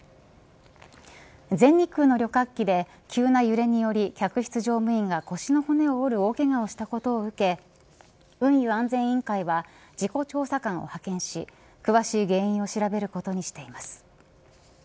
全日空の旅客機で急な揺れにより客室業務員が腰の骨を折る大けがをしたことを受け運輸安全委員会は事故調査官を派遣し詳しい原因を調べることにしています。